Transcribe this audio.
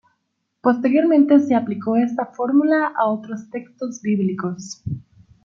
Posteriormente se aplicó esta fórmula a otros textos bíblicos.